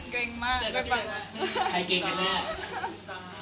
ใครเก่งกันแน่